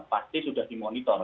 pasti sudah dimonitor